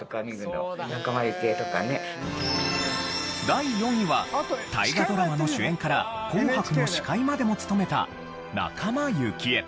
第４位は大河ドラマの主演から『紅白』の司会までも務めた仲間由紀恵。